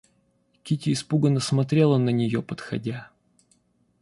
Кити испуганно смотрела на нее, подходя.